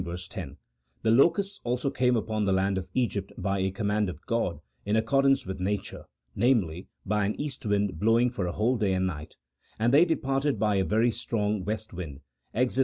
10) ; the locusts also came upon the land of Egypt by a com mand of God in accordance with nature, namely, by an east wind blowing for a whole day and night ; and they departed by a very strong west wind (Exod.